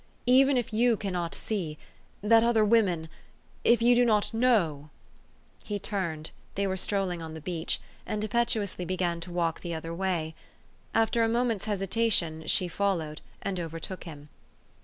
Even if you cannot see that other women, if you do not know '' He turned (they were strolling on the beach), and impetuously began to walk the other way. After a moment's hesitation she followed, and overtook him.